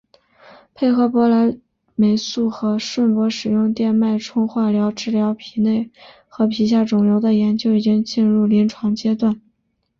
配合博莱霉素和顺铂使用电脉冲化疗治疗皮内和皮下肿瘤的研究已经进入临床阶段。